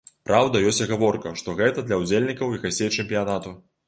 Праўда, ёсць агаворка, што гэта для ўдзельнікаў і гасцей чэмпіянату.